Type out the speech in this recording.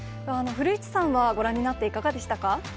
古市さんはご覧になっていかがでしたか。